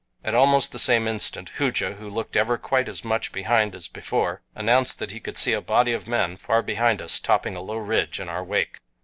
At almost the same instant, Hooja, who looked ever quite as much behind as before, announced that he could see a body of men far behind us topping a low ridge in our wake.